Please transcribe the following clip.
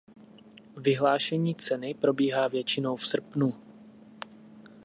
Vyhlášení ceny probíhá většinou v srpnu.